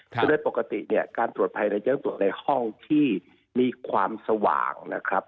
ก็เลยปกติเนี่ยการตรวจภายในจะต้องตรวจในห้องที่มีความสว่างนะครับ